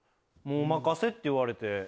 もうお任せって言われて。